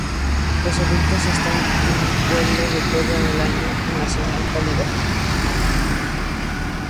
Los adultos están en vuelo de todo el año en las zonas cálidas.